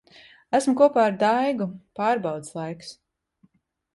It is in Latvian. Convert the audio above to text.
Esmu kopā ar Daigu. Pārbaudes laiks.